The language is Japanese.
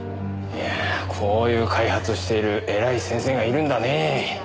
いやあこういう開発をしている偉い先生がいるんだねぇ。